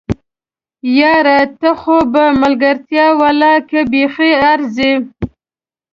یاره! ته خو په ملګرتيا ولله که بیخي ارځې!